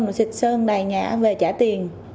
tôm xịt sơn đầy nhà về trả tiền